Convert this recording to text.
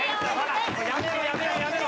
やめろやめろやめろ。